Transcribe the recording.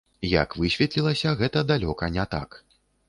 Як высветлілася, гэта далёка не так.